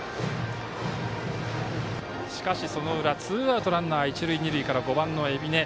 しかし、その裏、ツーアウトランナー、一塁二塁から５番の海老根。